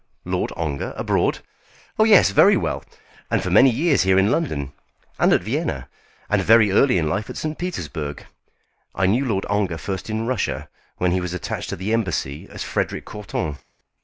"Lord Ongar, abroad! Oh, yes, very well; and for many years here in London; and at Vienna; and very early in life at St. Petersburg. I knew Lord Ongar first in Russia when he was attached to the embassy as Frederic Courton.